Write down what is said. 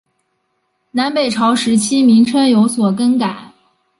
南北朝时期名称有所更改。